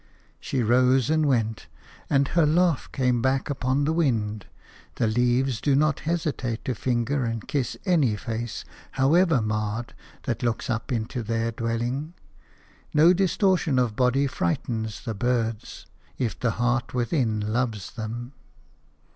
She rose and went, and her laugh came back upon the wind. The leaves do not hesitate to finger and kiss any face, however marred, that looks up into their dwelling. No distortion of body frightens the birds, if the heart within loves them.